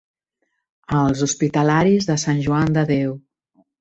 Els hospitalaris de Sant Joan de Déu.